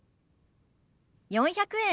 ４００円。